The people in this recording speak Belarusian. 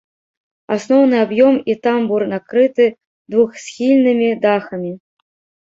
Асноўны аб'ём і тамбур накрыты двухсхільнымі дахамі.